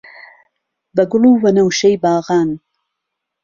بە گوڵ و وەنەوشەی باغان